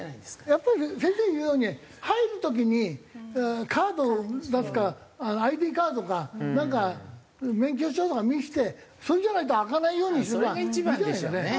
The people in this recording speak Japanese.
やっぱり先生言うように入る時にカードを出すかＩＤカードかなんか免許証とか見せてそれじゃないと開かないようにするのがいいんじゃないかね。